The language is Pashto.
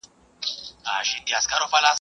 دا سرکښه دا مغروره ..